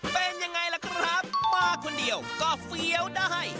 เป็นยังไงล่ะครับมาคนเดียวก็เฟี้ยวได้